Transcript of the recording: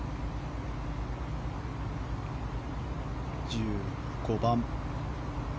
１５番。